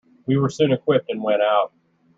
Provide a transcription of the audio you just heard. We were soon equipped and went out.